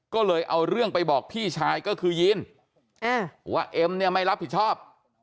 ก็เลยเอาเรื่องไปบอกพี่ชายก็คือยีนว่าเอ็มเนี่ยไม่รับผิดชอบ